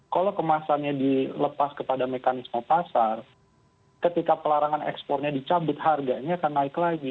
kalau kemasannya dilepas kepada mekanisme pasar ketika pelarangan ekspornya dicabut harganya akan naik lagi